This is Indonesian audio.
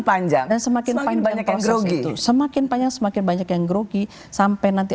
panjang dan semakin banyak yang grogi semakin banyak semakin banyak yang grogi sampai nanti